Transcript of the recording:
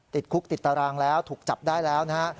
ติดคุกติดตารางแล้วถูกจับได้แล้วนะฮะ